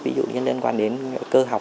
ví dụ như liên quan đến cơ học